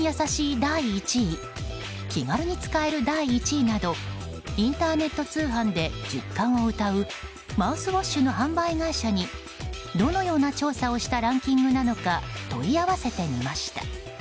第１位気軽に使える第１位などインターネット通販で１０冠をうたうマウスウォッシュの販売会社にどのような調査をしたランキングなのか問い合わせてみました。